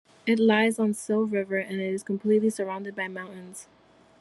It lies on Sil River and it is completely surrounded by mountains.